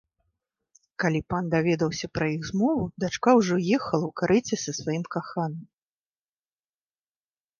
Калі пан даведаўся пра іх змову, дачка ўжо ехала ў карэце са сваім каханым.